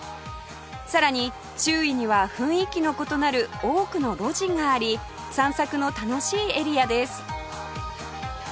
さらに周囲には雰囲気の異なる多くの路地があり散策の楽しいエリアです